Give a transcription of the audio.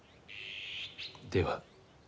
では。